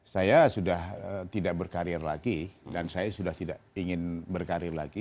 saya sudah tidak berkarir lagi dan saya sudah tidak ingin berkarir lagi